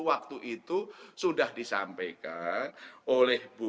waktu itu sudah disampaikan oleh bu